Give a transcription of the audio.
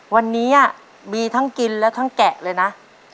วันนี้มีทั้งกินและทั้งแกะเลยนะ